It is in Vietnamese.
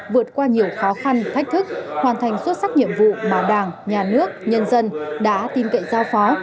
vượt qua nhiều khó khăn thách thức hoàn thành xuất sắc nhiệm vụ mà đảng nhà nước nhân dân đã tin cậy giao phó